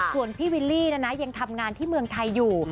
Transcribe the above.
ส่วนพี่วิลลี่นะนะยังทำงานที่เมืองไทยอยู่